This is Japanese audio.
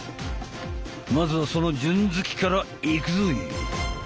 まずはその順突きからいくぞ！